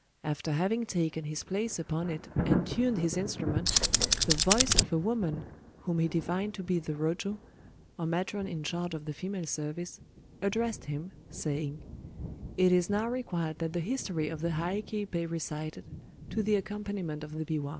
After having taken his place upon it, and tuned his instrument, the voice of a woman—whom he divined to be the Rōjo, or matron in charge of the female service—addressed him, saying,— "It is now required that the history of the Heiké be recited, to the accompaniment of the biwa."